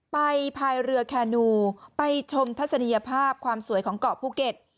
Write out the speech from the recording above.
พายเรือแคนูไปชมทัศนียภาพความสวยของเกาะภูเก็ต